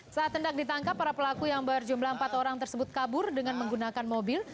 saat hendak ditangkap para pelaku yang berjumlah empat orang tersebut kabur dengan menggunakan mobil